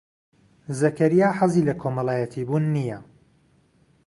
زەکەریا حەزی لە کۆمەڵایەتیبوون نییە.